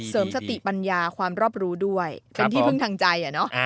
เสริมสติปัญญาความรอบรู้ด้วยเป็นที่พึ่งทางใจ